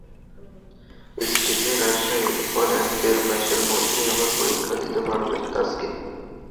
স্ট্রিকের আশা, এরপর এক-দেড় মাসের মধ্যেই আবার পরীক্ষা দিতে পারবেন তাসকিন।